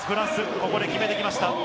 ここで決めてきました。